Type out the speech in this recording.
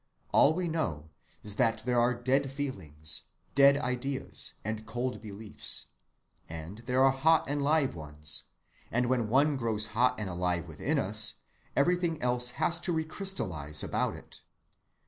All we know is that there are dead feelings, dead ideas, and cold beliefs, and there are hot and live ones; and when one grows hot and alive within us, everything has to re‐ crystallize about it.